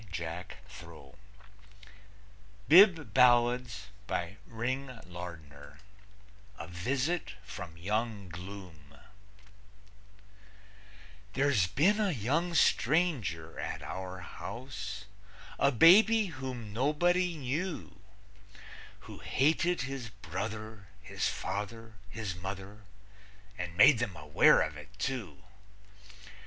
A VISIT FROM YOUNG GLOOM There's been a young stranger at our house, A baby whom nobody knew; Who hated his brother, his father, his mother, And made them aware of it, too.